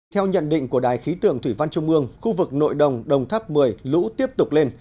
theo nhận định của đài khí tượng thủy văn trung ương khu vực nội đồng đồng tháp một mươi lũ tiếp tục lên